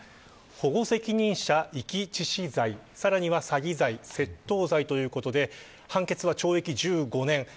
保護責任者遺棄致死罪さらには詐欺罪窃盗罪ということで判決は懲役１５年。